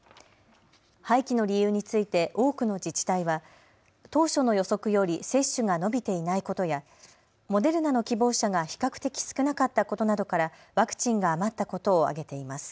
廃棄の理由について多くの自治体は当初の予測より接種が伸びていないことやモデルナの希望者が比較的少なかったことなどからワクチンが余ったことを挙げています。